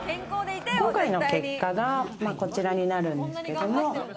今回の結果がこちらになるんですけれども。